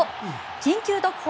「緊急特報！